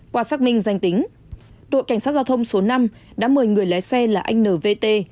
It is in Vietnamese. qua xác minh danh tính đội cảnh sát giao thông số năm đã mời người lái xe là anh n v t